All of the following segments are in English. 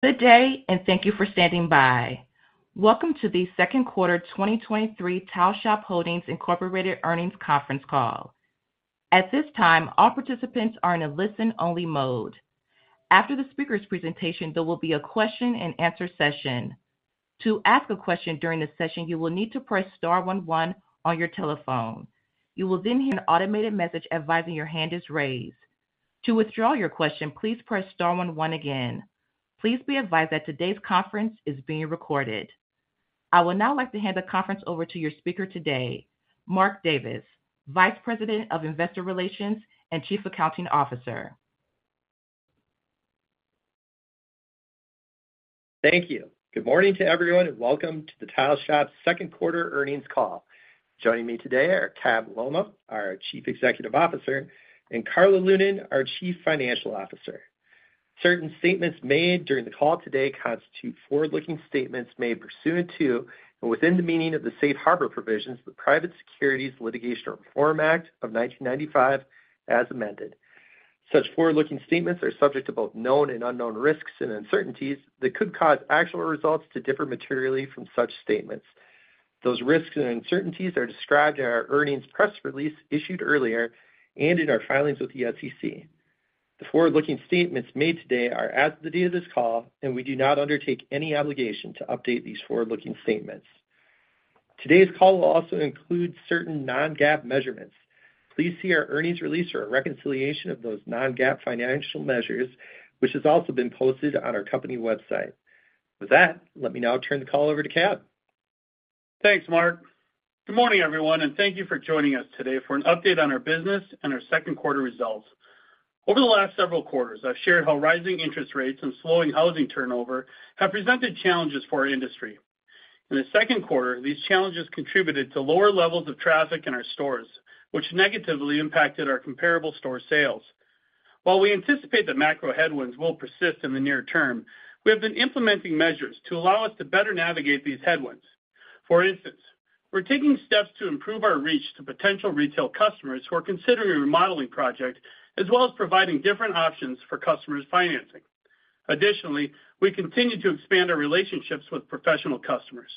Good day, and thank you for standing by. Welcome to the second quarter, 2023 Tile Shop Holdings, Inc. Earnings Conference Call. At this time, all participants are in a listen-only mode. After the speaker's presentation, there will be a question-and-answer session. To ask a question during the session, you will need to press star one one on your telephone. You will then hear an automated message advising your hand is raised. To withdraw your question, please press star one one again. Please be advised that today's conference is being recorded. I would now like to hand the conference over to your speaker today, Mark Davis, Vice President of Investor Relations and Chief Accounting Officer. Thank you. Good morning to everyone, and welcome to The Tile Shop second quarter earnings call. Joining me today are Cab Lolmaugh, our Chief Executive Officer, and Karla Lunan, our Chief Financial Officer. Certain statements made during the call today constitute forward-looking statements made pursuant to and within the meaning of the Safe Harbor Provisions of the Private Securities Litigation Reform Act of 1995, as amended. Such forward-looking statements are subject to both known and unknown risks and uncertainties that could cause actual results to differ materially from such statements. Those risks and uncertainties are described in our earnings press release issued earlier and in our filings with the SEC. The forward-looking statements made today are as of the date of this call, and we do not undertake any obligation to update these forward-looking statements. Today's call will also include certain non-GAAP measurements. Please see our earnings release or a reconciliation of those non-GAAP financial measures, which has also been posted on our company website. With that, let me now turn the call over to Cab. Thanks, Mark. Good morning, everyone, thank you for joining us today for an update on our business and our second quarter results. Over the last several quarters, I've shared how rising interest rates and slowing housing turnover have presented challenges for our industry. In the second quarter, these challenges contributed to lower levels of traffic in our stores, which negatively impacted our comparable store sales. While we anticipate that macro headwinds will persist in the near term, we have been implementing measures to allow us to better navigate these headwinds. For instance, we're taking steps to improve our reach to potential retail customers who are considering a remodeling project, as well as providing different options for customers' financing. Additionally, we continue to expand our relationships with professional customers.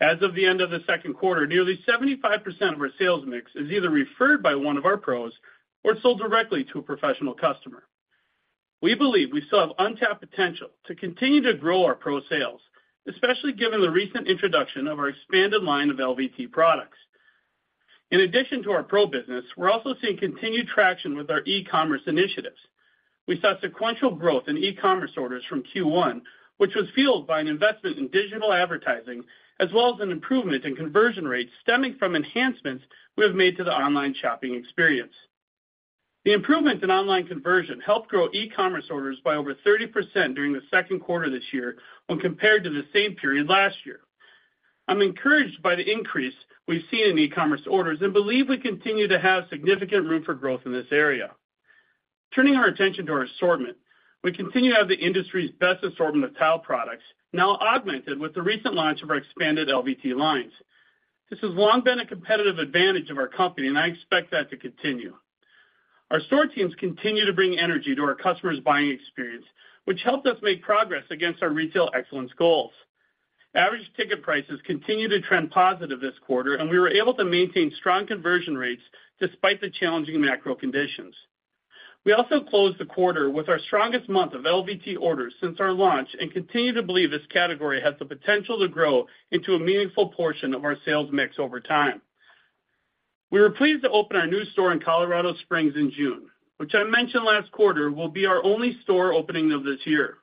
As of the end of the second quarter, nearly 75% of our sales mix is either referred by one of our pros or sold directly to a professional customer. We believe we still have untapped potential to continue to grow our pro sales, especially given the recent introduction of our expanded line of LVT products. In addition to our pro business, we're also seeing continued traction with our e-commerce initiatives. We saw sequential growth in e-commerce orders from Q1, which was fueled by an investment in digital advertising, as well as an improvement in conversion rates stemming from enhancements we have made to the online shopping experience. The improvement in online conversion helped grow e-commerce orders by over 30% during the second quarter this year, when compared to the same period last year. I'm encouraged by the increase we've seen in e-commerce orders and believe we continue to have significant room for growth in this area. Turning our attention to our assortment, we continue to have the industry's best assortment of tile products, now augmented with the recent launch of our expanded LVT lines. This has long been a competitive advantage of our company, and I expect that to continue. Our store teams continue to bring energy to our customers' buying experience, which helped us make progress against our retail excellence goals. Average ticket prices continued to trend positive this quarter, and we were able to maintain strong conversion rates despite the challenging macro conditions. We also closed the quarter with our strongest month of LVT orders since our launch and continue to believe this category has the potential to grow into a meaningful portion of our sales mix over time. We were pleased to open our new store in Colorado Springs in June, which I mentioned last quarter, will be our only store opening of this year.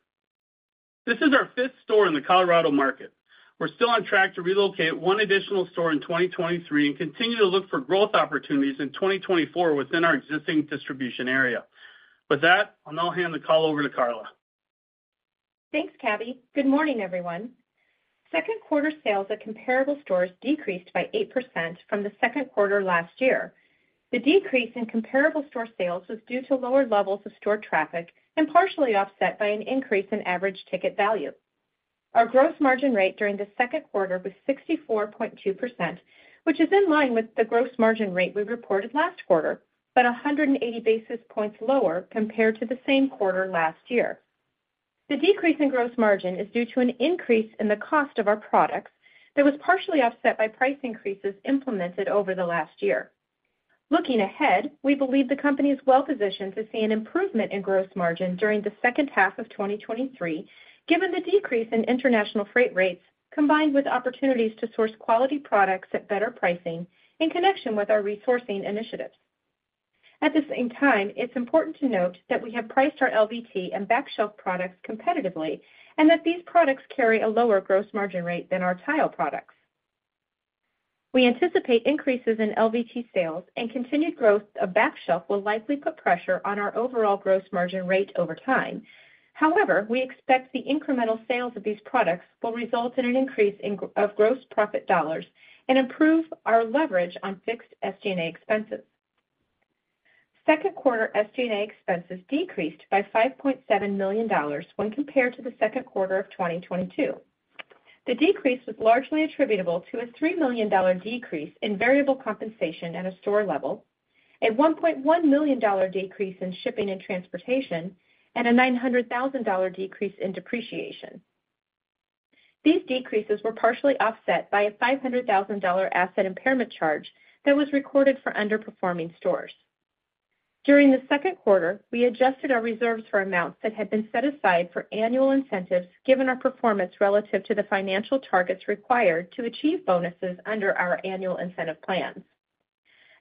This is our fifth store in the Colorado market. We're still on track to relocate one additional store in 2023 and continue to look for growth opportunities in 2024 within our existing distribution area. With that, I'll now hand the call over to Karla. Thanks, Cabby. Good morning, everyone. Second quarter sales at comparable stores decreased by 8% from the second quarter last year. The decrease in comparable store sales was due to lower levels of store traffic and partially offset by an increase in average ticket value. Our gross margin rate during the second quarter was 64.2%, which is in line with the gross margin rate we reported last quarter, but 180 basis points lower compared to the same quarter last year. The decrease in gross margin is due to an increase in the cost of our products that was partially offset by price increases implemented over the last year. Looking ahead, we believe the company is well positioned to see an improvement in gross margin during the second half of 2023, given the decrease in international freight rates, combined with opportunities to source quality products at better pricing in connection with our resourcing initiatives. At the same time, it's important to note that we have priced our LVT and backsplash products competitively, and that these products carry a lower gross margin rate than our tile products. We anticipate increases in LVT sales and continued growth of backsplash will likely put pressure on our overall gross margin rate over time. However, we expect the incremental sales of these products will result in an increase of gross profit dollars and improve our leverage on fixed SG&A expenses. Second quarter SG&A expenses decreased by $5.7 million when compared to the second quarter of 2022. The decrease was largely attributable to a $3 million decrease in variable compensation at a store level, a $1.1 million decrease in shipping and transportation, and a $900,000 decrease in depreciation. These decreases were partially offset by a $500,000 asset impairment charge that was recorded for underperforming stores. During the second quarter, we adjusted our reserves for amounts that had been set aside for annual incentives, given our performance relative to the financial targets required to achieve bonuses under our annual incentive plans.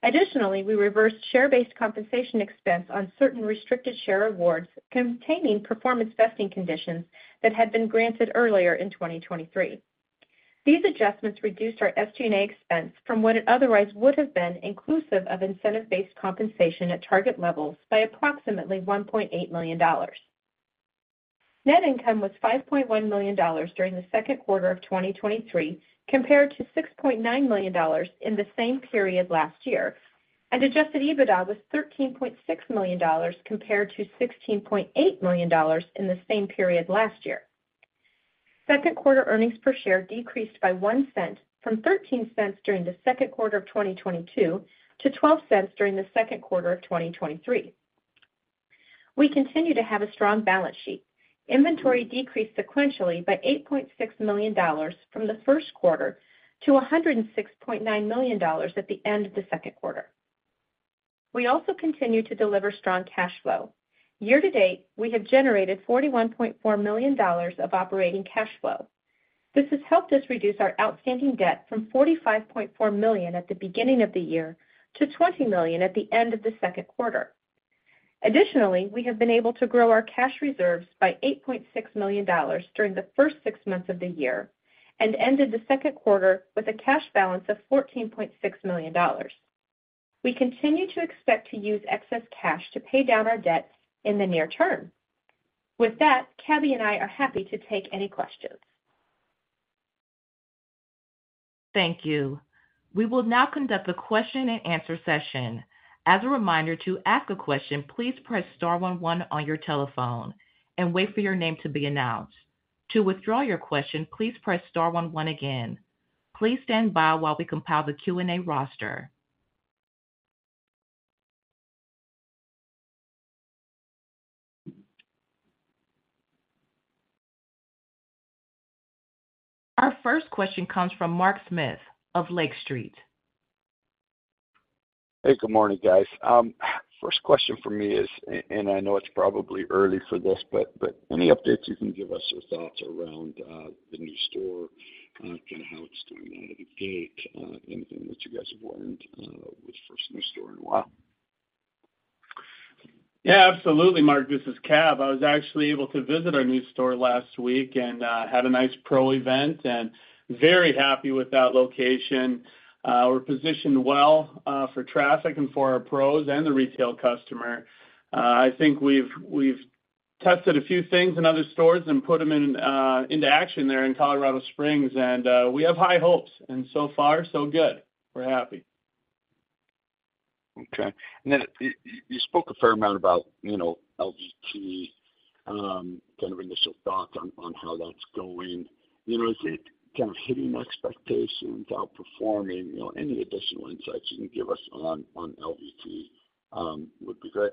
Additionally, we reversed share-based compensation expense on certain restricted share awards containing performance vesting conditions that had been granted earlier in 2023. These adjustments reduced our SG&A expense from what it otherwise would have been, inclusive of incentive-based compensation at target levels by approximately $1.8 million. Net income was $5.1 million during the second quarter of 2023, compared to $6.9 million in the same period last year. An adjusted EBITDA was $13.6 million, compared to $16.8 million in the same period last year. Second quarter earnings per share decreased by $0.01 from $0.13 during the second quarter of 2022 to $0.12 during the second quarter of 2023. We continue to have a strong balance sheet. Inventory decreased sequentially by $8.6 million from the first quarter to $106.9 million at the end of the second quarter. We also continue to deliver strong cash flow. Year to date, we have generated $41.4 million of operating cash flow. This has helped us reduce our outstanding debt from $45.4 million at the beginning of the year to $20 million at the end of the second quarter. Additionally, we have been able to grow our cash reserves by $8.6 million during the first six months of the year and ended the second quarter with a cash balance of $14.6 million. We continue to expect to use excess cash to pay down our debt in the near term. With that, Cabby and I are happy to take any questions. Thank you. We will now conduct a question and answer session. As a reminder, to ask a question, please press star one one on your telephone and wait for your name to be announced. To withdraw your question, please press star one one again. Please stand by while we compile the Q&A roster. Our first question comes from Mark Smith of Lake Street. Hey, good morning, guys. First question for me is, I know it's probably early for this, any updates you can give us or thoughts around the new store, kind of how it's doing out of the gate, anything that you guys have learned? It's first new store in a while. Yeah, absolutely, Mark. This is Cab. I was actually able to visit our new store last week and had a nice pro event and very happy with that location. We're positioned well for traffic and for our pros and the retail customer. I think we've tested a few things in other stores and put them into action there in Colorado Springs, and we have high hopes, and so far, so good. We're happy. Okay. Then you spoke a fair amount about, you know, LVT, kind of initial thoughts on, on how that's going. You know, is it kind of hitting expectations, outperforming? You know, any additional insights you can give us on, on LVT, would be great.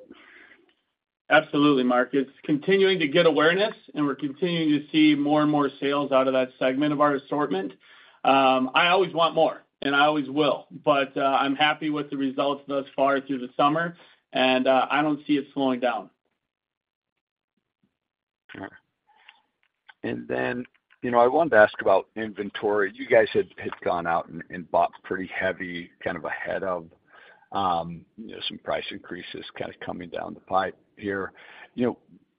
Absolutely, Mark. It's continuing to get awareness, and we're continuing to see more and more sales out of that segment of our assortment. I always want more, and I always will. I'm happy with the results thus far through the summer. I don't see it slowing down. Sure. And then, I wanted to ask about inventory. You guys had, had gone out and, and bought pretty heavy, kind of ahead of, you know, some price increases kind of coming down the pipe here. You know,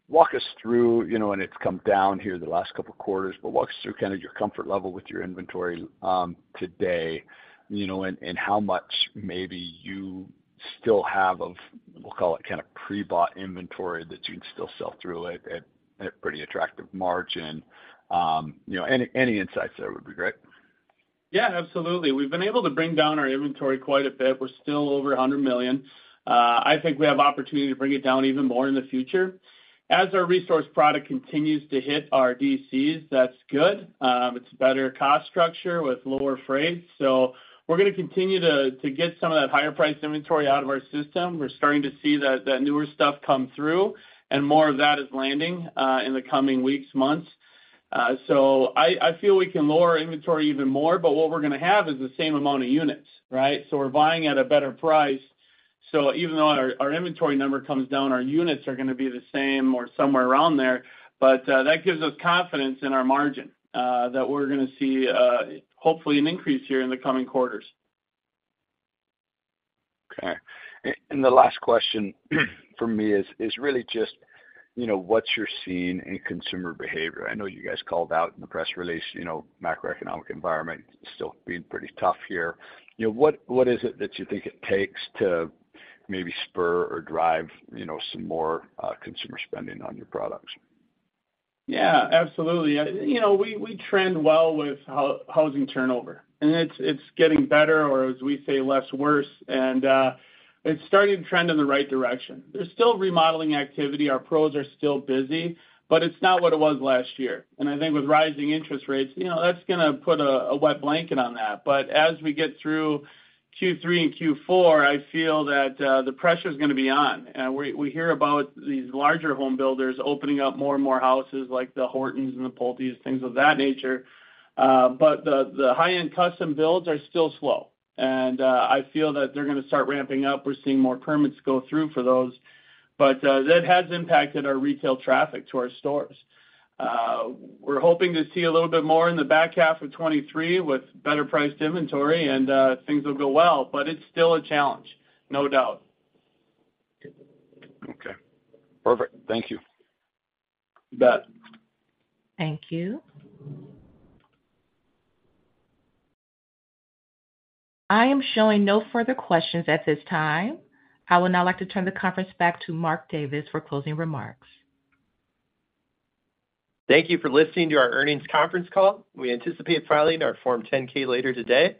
walk us through, you know, and it's come down here the last couple of quarters, but walk us through kind of your comfort level with your inventory today, you know, and, and how much maybe you still have of, we'll call it kind of pre-bought inventory that you can still sell through at, at, at pretty attractive margin. You know, any, any insights there would be great. Yeah, absolutely. We've been able to bring down our inventory quite a bit. We're still over $100 million. I think we have opportunity to bring it down even more in the future. As our resourced product continues to hit our DCs, that's good. It's a better cost structure with lower frames. We're gonna continue to, to get some of that higher priced inventory out of our system. We're starting to see that, that newer stuff come through, and more of that is landing in the coming weeks, months. I, I feel we can lower inventory even more, but what we're gonna have is the same amount of units, right? We're buying at a better price. Even though our, our inventory number comes down, our units are gonna be the same or somewhere around there. That gives us confidence in our margin, that we're gonna see, hopefully an increase here in the coming quarters. Okay. The last question for me is, is really just, you know, what you're seeing in consumer behavior. I know you guys called out in the press release, you know, macroeconomic environment still being pretty tough here. You know, what, what is it that you think it takes to maybe spur or drive, you know, some more consumer spending on your products? Yeah, absolutely. You know, we, we trend well with housing turnover, and it's, it's getting better or as we say, less worse, and it's starting to trend in the right direction. There's still remodeling activity. Our pros are still busy, but it's not what it was last year. I think with rising interest rates, you know, that's gonna put a, a wet blanket on that. As we get through Q3 and Q4, I feel that the pressure is gonna be on. We, we hear about these larger home builders opening up more and more houses like the Hortons and the Pulte, things of that nature. The, the high-end custom builds are still slow, and I feel that they're gonna start ramping up. We're seeing more permits go through for those, but that has impacted our retail traffic to our stores. We're hoping to see a little bit more in the back half of 2023 with better priced inventory, and, things will go well, but it's still a challenge, no doubt. Okay, perfect. Thank you. You bet. Thank you. I am showing no further questions at this time. I would now like to turn the conference back to Mark Davis for closing remarks. Thank you for listening to our earnings conference call. We anticipate filing our Form 10-Q later today.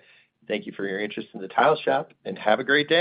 Thank you for your interest in The Tile Shop, have a great day!